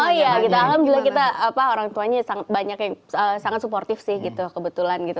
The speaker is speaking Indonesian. oh iya gitu alhamdulillah kita orang tuanya banyak yang sangat supportif sih gitu kebetulan gitu